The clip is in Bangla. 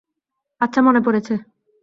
আচ্ছা, মনে পড়েছে।